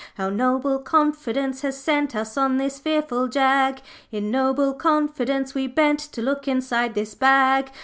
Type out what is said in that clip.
'Our noble confidence has sent Us on this fearful jag; In noble confidence we bent To look inside this bag.